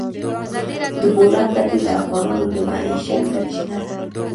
د بولان پټي د افغانانو د معیشت سرچینه ده.